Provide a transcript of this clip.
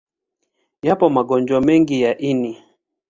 Yapo magonjwa mengi ya ini.